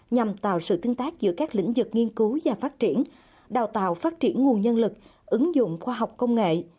nhằm tạo sự tương tác giữa các lĩnh vực nghiên cứu và phát triển đào tạo phát triển nguồn nhân lực ứng dụng khoa học công nghệ